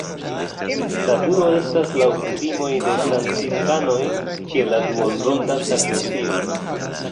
La turo estas laŭ kutimoj de franciskanoj ĉe la duonronda sakristio.